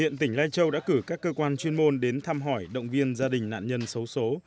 hiện tỉnh lai châu đã cử các cơ quan chuyên môn đến thăm hỏi động viên gia đình nạn nhân xấu xố